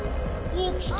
起きた。